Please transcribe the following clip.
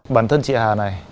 bản thân chị hà này